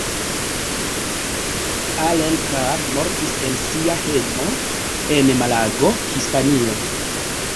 Allen Carr mortis en sia hejmo en Malago, Hispanio.